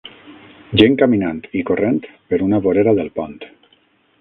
Gent caminant i corrent per una vorera del pont.